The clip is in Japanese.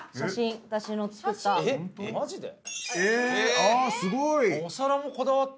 ああすごい！